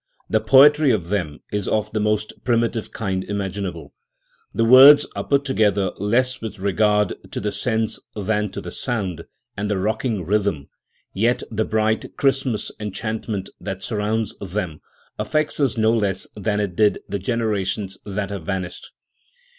The poetry of them is of the most primitive kind imaginable, The words are put together loss with regard to the sense than to the sound and the rocking rhythm; yet the bright Christmas enchantment that surrounds them affects us no less than it did the generations that have vanished.